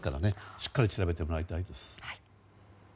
しっかり続けてもらいたいです。